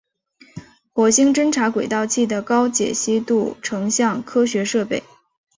火星侦察轨道器的高解析度成像科学设备。